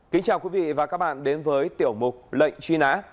kính chào quý vị và các bạn đến với tổng thống